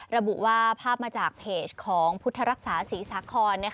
ระบุว่าภาพมาจากเพจของพุทธรักษาศรีสาคร